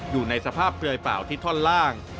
อยู่ในสภาพเปลือยเปล่าที่ท่อนล่าง